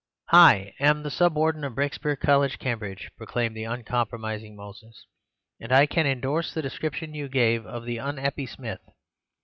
"Hi am the Sub Warden of Brikespeare College, Cambridge," proclaimed the uncompromising Moses, "and I can endorse the description you gave of the un'appy Smith.